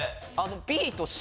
ＢとＣ。